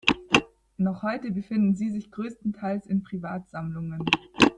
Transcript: Noch heute befinden sie sich größtenteils in Privatsammlungen.